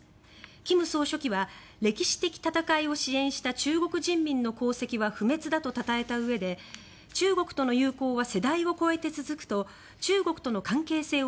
金総書記は歴史的戦いを支援した中国人民の功績は不滅だとたたえたうえで中国との友好は世代を超えて続くと中国との関係性を